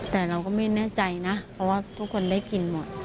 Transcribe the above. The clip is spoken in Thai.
แต่เราก็ไม่แน่ใจนะเพราะว่าทุกคนได้กินหมด